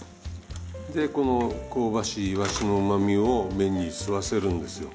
でこの香ばしいイワシのうまみを麺に吸わせるんですよ。